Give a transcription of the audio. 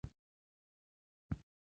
انجنونه باید ګرم شي ترڅو په کار پیل وکړي